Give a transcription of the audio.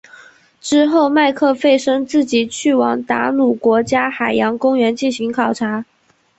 之后麦克弗森自己去往达鲁国家海洋公园进行考察。